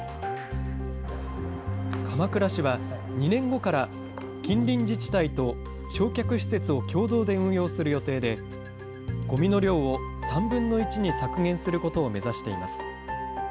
鎌倉市は、２年後から近隣自治体と焼却施設を共同で運用する予定で、ごみの量を３分の１に削減することを目指しています。